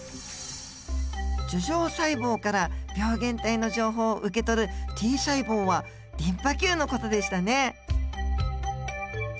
樹状細胞から病原体の情報を受け取るＴ細胞はリンパ球の事でしたね。